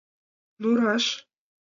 Ну, раш?